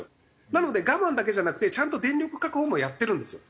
なので我慢だけじゃなくてちゃんと電力確保もやってるんですよ。